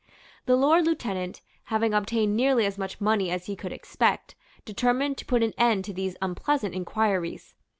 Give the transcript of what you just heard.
The Lord Lieutenant, having obtained nearly as much money as he could expect, determined to put an end to these unpleasant inquiries.